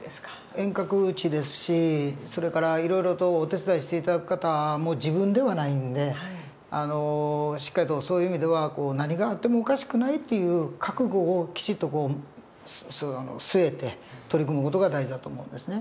遠隔地ですしそれからいろいろとお手伝いして頂く方も自分ではないんでしっかりとそういう意味では何があってもおかしくないっていう覚悟をきちっと据えて取り組む事が大事だと思うんですね。